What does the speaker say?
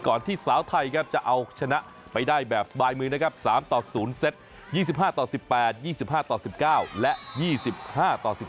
ก่อนที่สาวไทยจะเอาชนะไปได้แบบสบายมือสามต่อศูนย์เซ็ต๒๕ต่อ๑๘๒๕ต่อ๑๙และ๒๕ต่อ๑๕